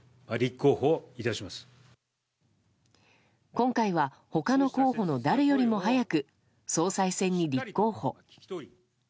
今回は他の候補の誰よりも早く総裁選に立候補。